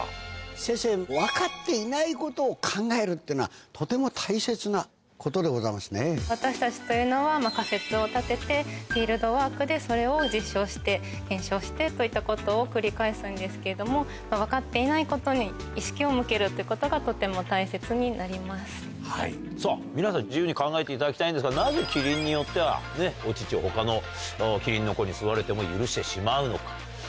先生、分かっていないことを考えるってのは、私たちというのは、仮説を立てて、フィールドワークでそれを実証して、検証してということを繰り返すんですけれども、分かっていないことに意識を向けるっていうことがとても大切になさあ、皆さん、自由に考えていただきたいんですが、なぜキリンによっては、お乳をほかのキリンの子に吸われても、許してしまうのか。